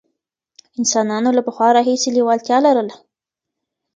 انسانانو له پخوا راهیسې لېوالتیا لرله.